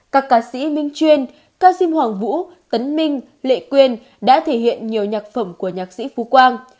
các ca sĩ minh chuyên cao xim hoàng vũ tấn minh lệ quyên đã thể hiện nhiều nhạc phẩm của nhạc sĩ phú quang